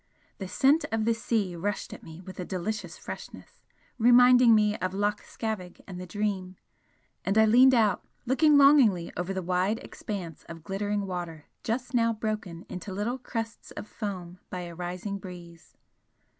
The scent of the sea rushed at me with a delicious freshness, reminding me of Loch Scavaig and the 'Dream' and I leaned out, looking longingly over the wide expanse of glittering water just now broken into little crests of foam by a rising breeze.